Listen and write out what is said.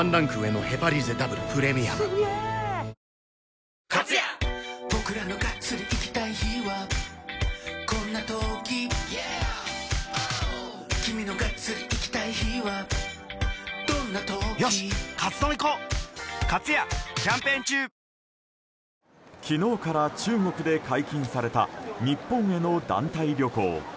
明治おいしい牛乳昨日から中国で解禁された日本への団体旅行。